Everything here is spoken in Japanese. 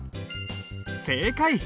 正解！